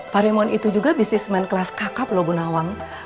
paremon itu juga bisnismen kelas kakap loh bu nawang